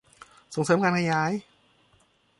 ส่งเสริมการขยาย